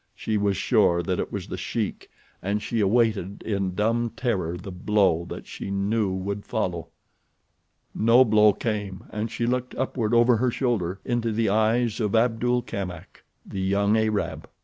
She was sure that it was The Sheik and she awaited in dumb terror the blow that she knew would follow. No blow came and she looked upward over her shoulder—into the eyes of Abdul Kamak, the young Arab.